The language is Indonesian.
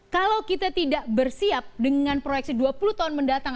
kalau kita tidak bersiap dengan proyeksi dua puluh tahun mendatang